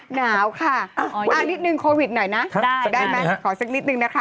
หนาวค่ะนิดนึงโควิดหน่อยนะจะได้ไหมขอสักนิดนึงนะคะ